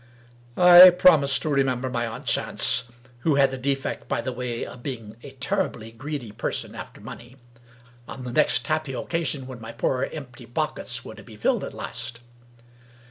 I promised to remember my aunt Chance (who had the defect, by the way, of being a terribly greedy person after money) on the next happy occasion when my poor empty pockets were to be filled at last.